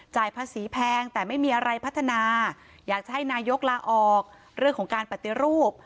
ภาษีแพงแต่ไม่มีอะไรพัฒนาอยากจะให้นายกลาออกเรื่องของการปฏิรูป